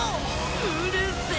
うるせえ！